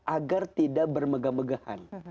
agar tidak bermegah megahan